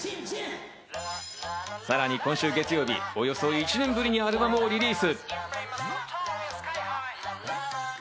さらに今週月曜日、およそ１年ぶりにアルバムをリリース。